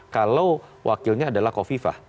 kalau wakilnya adalah kofifah